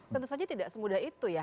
tentu saja tidak semudah itu ya